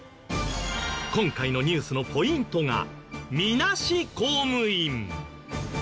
今回のニュースのポイントがみなし公務員。